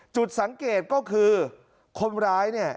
จุดสังเกตก็คือคนร้ายเนี่ย